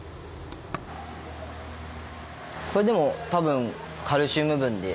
これでも多分カルシウム分で。